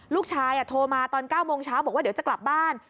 โทรมาตอน๙โมงเช้าบอกว่าเดี๋ยวจะกลับบ้าน